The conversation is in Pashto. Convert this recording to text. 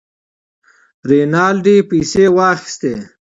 رینالډي پیسې واخیستې.